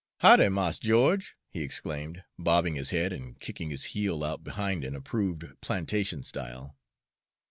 "Hoddy, Mars Geo'ge!" he exclaimed, bobbing his head and kicking his heel out behind in approved plantation style.